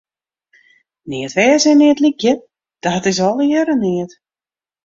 Neat wêze en neat lykje, dat is allegearre neat.